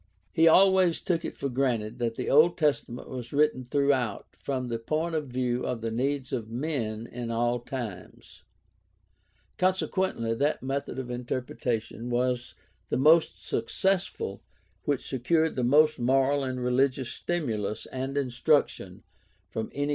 He always took it for granted that the Old Testa ment was written throughout from the point of view of the needs of men in all times. Consequently that method of inter pretation was the most successful which secured the most moral and religious stimulus and instruction from any given passage.